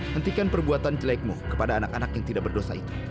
hentikan perbuatan jelekmu kepada anak anak yang tidak berdosa itu